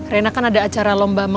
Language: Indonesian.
rena kan ada acara lomba